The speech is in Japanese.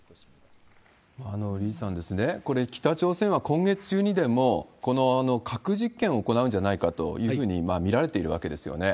李さん、これ、北朝鮮は今月中にでも核実験を行うんじゃないかというふうに見られているわけですよね。